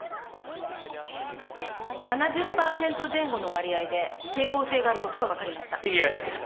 ７０％前後の割合で整合性があることが分かりました。